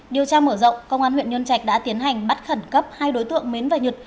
điều tra mở rộng công an huyện nhân trạch đã tiến hành bắt khẩn cấp hai đối tượng mến và nhật